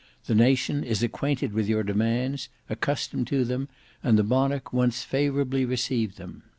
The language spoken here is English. The nation is acquainted with your demands, accustomed to them, and the monarch once favourably received them.